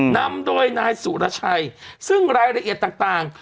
นำโดยนายสุรชัยซึ่งรายละเอียดต่าง